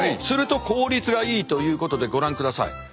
すると効率がいいということでご覧ください。